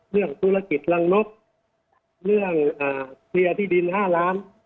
เรื่องธุรกิจรังนกเรื่องเคลียร์ที่ดิน๕ล้าน